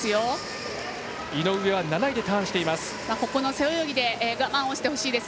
井上は７位でターンしています。